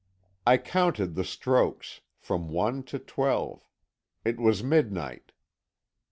I counted the strokes, from one to twelve. It was midnight.